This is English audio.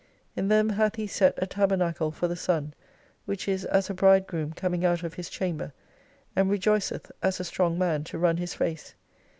In them hath He set a tabernacle for the sun, which is as a bridegroom coming out of his chamber, and rejoiceth as a strong man to run his race.